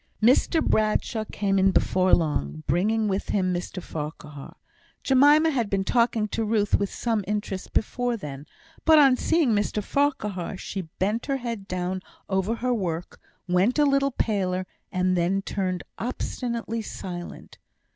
Mr Bradshaw came in before long, bringing with him Mr Farquhar. Jemima had been talking to Ruth with some interest before then; but, on seeing Mr Farquhar, she bent her head down over her work, went a little paler, and turned obstinately silent.